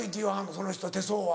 その人手相は。